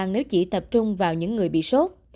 nếu chỉ tập trung vào những người bị sốt